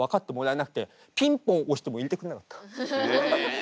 え！